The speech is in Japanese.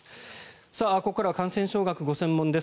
ここからは感染症学がご専門です